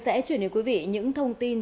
sẽ chuyển đến quý vị những thông tin